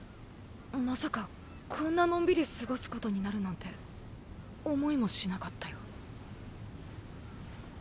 まさかこんなのんびり過ごすことになるなんて思いもしなかったよ。